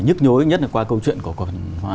nhức nhối nhất là qua câu chuyện cổ phần hóa